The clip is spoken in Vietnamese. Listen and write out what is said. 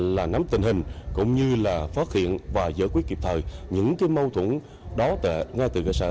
là nắm tình hình cũng như là phát hiện và giải quyết kịp thời những cái mâu thuẫn đó ngay từ cơ sở